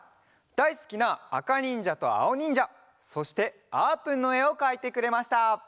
だいすきなあかにんじゃとあおにんじゃそしてあーぷんのえをかいてくれました。